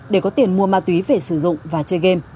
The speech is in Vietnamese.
để có tiền mua ma túy về sử dụng và chơi game